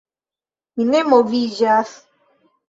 Mi ne moviĝas.